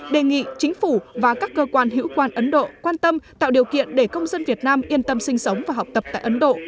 đề nghị chính phủ và các cơ quan hữu quan ấn độ quan tâm tạo điều kiện để công dân việt nam yên tâm sinh sống và học tập tại ấn độ